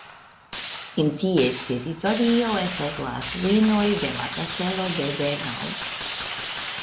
En ties teritorio estas la ruinoj de la kastelo de Benal.